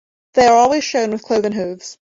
They are always shown with cloven hooves.